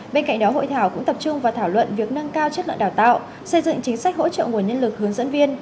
bên cạnh đó hội thảo cũng tập trung và thảo luận việc nâng cao chất lượng đào tạo xây dựng chính sách hỗ trợ nguồn nhân lực hướng dẫn viên